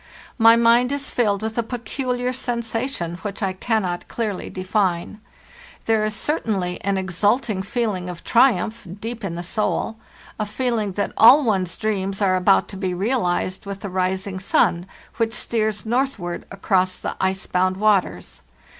My mind is filled with a peculiar sensation, which [ cannot clearly define; there is certainly an exulting feeling of triumph, deep in the soul, a feeling that all one's dreams are about to be realized with the rising sun, which steers northward across the ice bound waters.